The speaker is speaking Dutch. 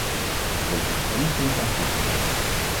Ik wil hier één punt aan toevoegen.